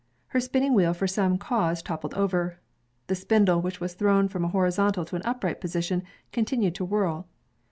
Her spinning wheel for some cause toppled over. The spindle, which was thrown from a horizontal to an upright posi tion, continued to whirl.